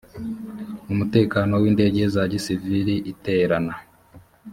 umutekano w iby indege za gisivili iteranna